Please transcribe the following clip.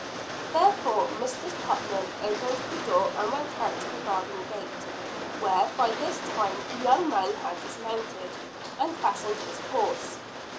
Therefore Mistress Putnam opened the door and went out to the garden gate, where by this time the young man had dismounted, and fastened his horse.